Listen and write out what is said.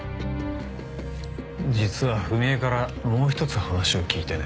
実は史江からもう一つ話を聞いてね。